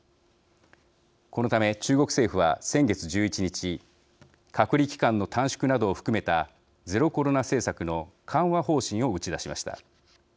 このため中国政府は、先月１１日隔離期間の短縮などを含めたゼロコロナ政策の緩和方針を打ち出しました。